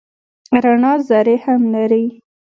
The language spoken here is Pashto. رڼا ذرې هم لري.